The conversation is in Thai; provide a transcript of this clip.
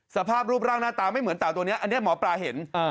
สภาพรูปร่างหน้าตาไม่เหมือนเต่าตัวนี้อันนี้หมอปลาเห็น